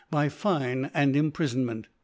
by Fine and Imprifonment f.